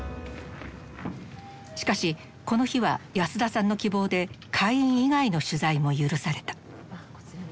しかしこの日は安田さんの希望で会員以外の取材も許された。